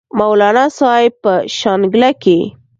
مولانا صاحب پۀ شانګله کښې